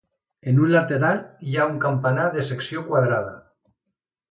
En un lateral hi ha un campanar de secció quadrada.